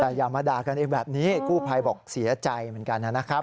แต่อย่ามาด่ากันเองแบบนี้กู้ภัยบอกเสียใจเหมือนกันนะครับ